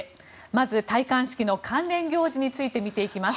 まず戴冠式の関連行事について見ていきます。